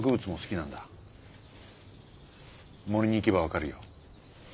森に行けば分かるよ。